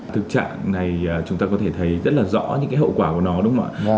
thực trạng này chúng ta có thể thấy rất là rõ những cái hậu quả của nó đúng không ạ